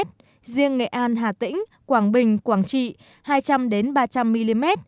riêng nghệ an hà tĩnh quảng bình quảng trị hai trăm linh ba trăm linh mm